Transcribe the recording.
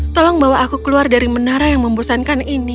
tolong bawa aku keluar dari menara yang membosankan ini